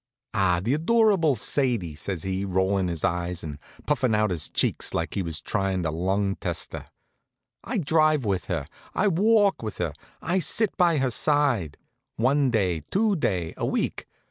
"Ah, the adorable Sadie!" says he, rollin' his eyes, and puffin' out his cheeks like he was tryin' the lung tester. "I drive with her, I walk with her, I sit by her side one day, two day, a week.